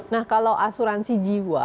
nah kalau asuransi jiwa